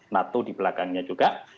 nato di belakangnya juga